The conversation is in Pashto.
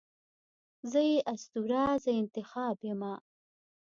زه یې اسطوره، زه انتخاب یمه